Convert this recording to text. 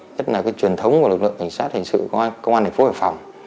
đó là cái truyền thống của lực lượng cảnh sát hành sự của công an thành phố hải phòng